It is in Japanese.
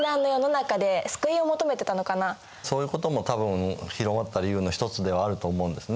あとはそういうことも多分広まった理由の一つではあると思うんですね。